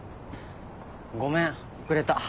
ごめん遅れた。